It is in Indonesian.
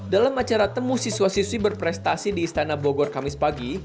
dalam acara temu siswa siswi berprestasi di istana bogor kamis pagi